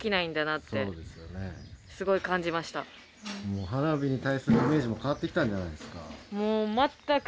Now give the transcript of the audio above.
もう花火に対するイメージも変わってきたんじゃないですか？